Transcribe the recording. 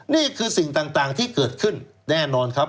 นี่คือสิ่งต่างที่เกิดขึ้นแน่นอนครับ